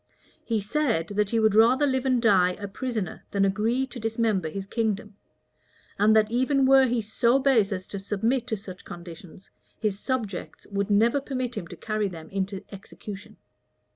He said, that he would rather live and die a prisoner than agree to dismember his kingdom; and that even were he so base as to submit to such conditions, his subjects would never permit him to carry them into execution.